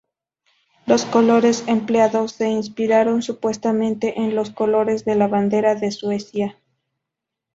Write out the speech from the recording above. Los colores empleados se inspiraron, supuestamente, en los colores de la bandera de Suecia.